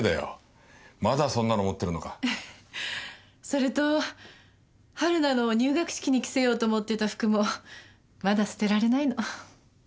それと春菜の入学式に着せようと思ってた服もまだ捨てられないの。